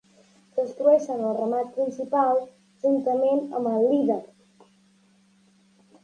Destrueixen el ramat principal juntament amb el líder.